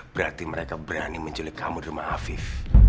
berarti mereka berani menculik kamu di rumah afif